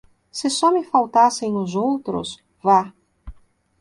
Se só me faltassem os outros, vá